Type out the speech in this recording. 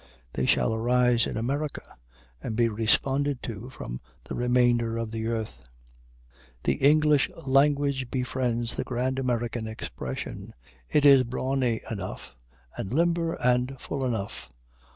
They shall arise in America, and be responded to from the remainder of the earth. The English language befriends the grand American expression it is brawny enough, and limber and full enough.